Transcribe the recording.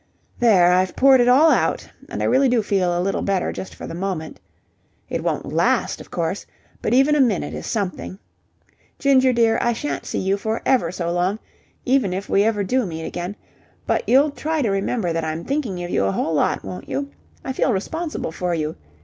"There! I've poured it all out and I really do feel a little better just for the moment. It won't last, of course, but even a minute is something. Ginger, dear, I shan't see you for ever so long, even if we ever do meet again, but you'll try to remember that I'm thinking of you a whole lot, won't you? I feel responsible for you.